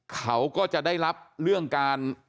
เขาก็จะได้รับเรื่องการ